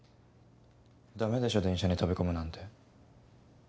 だめでしょ電車に飛び込むなんて。